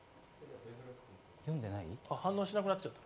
反応しなくなっちゃった。